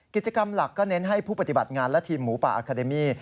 กิจกรรมหลักก็เน้นให้ผู้ปฏิบัติงานและทีมหมูป่าอาคาเดมี่